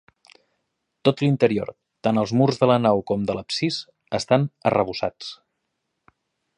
Tot l'interior, tant els murs de la nau com de l'absis, estan arrebossats.